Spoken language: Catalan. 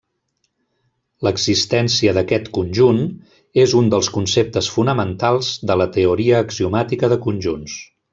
L'existència d'aquest conjunt és un dels conceptes fonamentals de la teoria axiomàtica de conjunts.